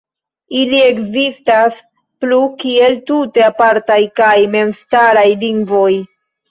Ili ekzistas plu kiel tute apartaj kaj memstaraj lingvoj.